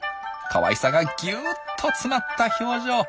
かわいさがギュッと詰まった表情。